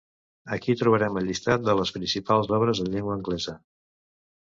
Aquí trobarem el llistat de les principals obres en llengua anglesa.